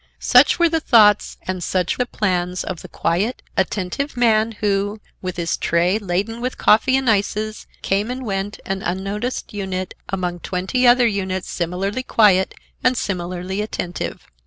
Such were the thoughts and such the plans of the quiet, attentive man who, with his tray laden with coffee and ices, came and went an unnoticed unit among twenty other units similarly quiet and similarly attentive.